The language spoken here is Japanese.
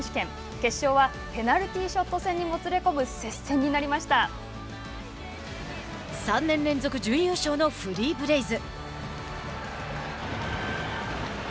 決勝はペナルティーショット戦にもつれ込む３年連続準優勝のフリーブレイズ。